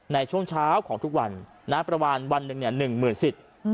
ในช่วงเช้าของทุกวันประมาณวันหนึ่งหนึ่งหมื่นสิทธิ์